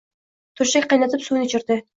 Turshak qaynatib suvini ichirdi.